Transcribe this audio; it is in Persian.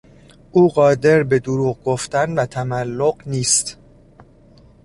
او قادر به دروغ گفتن و تملق نیست.